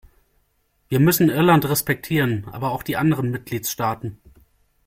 Wir müssen Irland respektieren, aber auch die anderen Mitgliedstaaten.